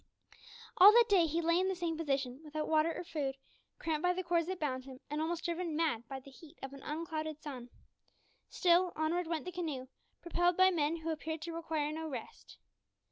All that day he lay in the same position, without water or food, cramped by the cords that bound him, and almost driven mad by the heat of an unclouded sun. Still, onward went the canoe propelled by men who appeared to require no rest.